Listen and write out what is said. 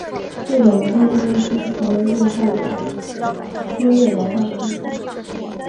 日本的经济危机成为日后的侵略埋下伏笔。